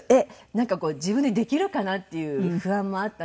なんかこう自分でできるかなっていう不安もあったんですけど。